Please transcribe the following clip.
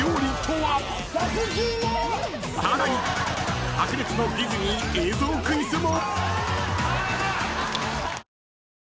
［さらに白熱のディズニー映像クイズも］